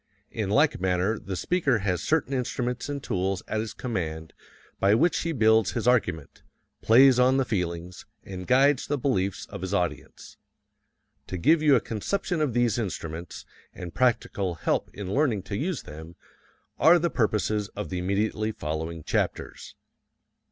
In like manner the speaker has certain instruments and tools at his command by which he builds his argument, plays on the feelings, and guides the beliefs of his audience. To give you a conception of these instruments, and practical help in learning to use them, are the purposes of the immediately following chapters.